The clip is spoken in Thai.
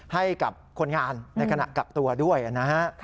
ให้กับคนงานในขณะกักตัวด้วยนะฮะ